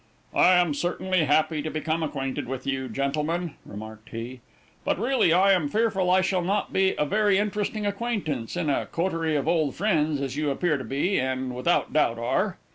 "I am certainly happy to become acquainted with you, gentlemen," remarked he, "but really I am fearful I shall not be a very interesting acquaintance in a coterie of old friends, as you appear to be, and without doubt are."